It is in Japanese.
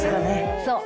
そう。